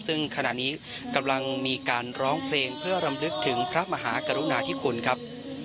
ซึ่งขณะนี้กำลังมีการร้องเพลงเพื่อรำลึกถึงพระมหากรุณาธิคุณครับ